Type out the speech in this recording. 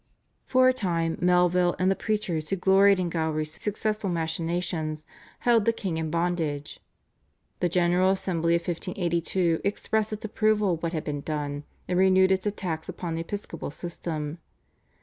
For a time Melville and the preachers, who gloried in Gowrie's successful machinations, held the king in bondage. The General Assembly of 1582 expressed its approval of what had been done, and renewed its attacks upon the episcopal system.